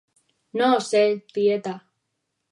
No ho sé, tieta.